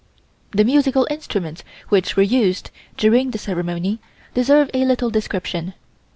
The musical instruments which were used during the ceremony deserve a little description.